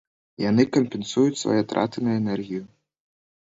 Яны кампенсуюць свае траты на энергію.